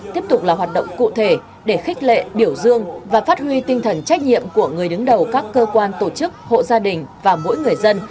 tiếp tục là hoạt động cụ thể để khích lệ biểu dương và phát huy tinh thần trách nhiệm của người đứng đầu các cơ quan tổ chức hộ gia đình và mỗi người dân